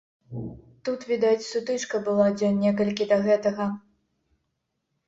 Тут, відаць, сутычка была дзён некалькі да гэтага.